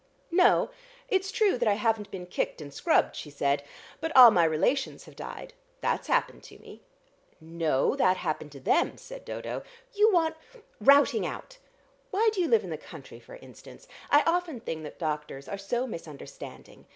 "No, it's true that I haven't been kicked and scrubbed," she said. "But all my relations have died. That's happened to me." "No; that happened to them," said Dodo. "You want routing out. Why do you live in the country, for instance? I often think that doctors are so misunderstanding.